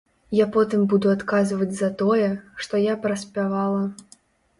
Я потым буду адказваць за тое, што я праспявала.